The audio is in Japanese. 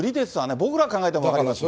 僕らが考えても分かりますよ。